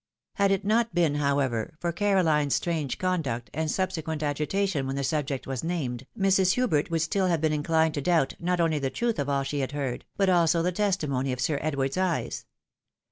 Had it not been, however, for CaroKne's strange conduct, and sub sequent agitation when the subject was named, Mrs. Hubert would still have been incKned to doubt not only the truth of all she had heard, but also the testimony of Sir Edward's eyes.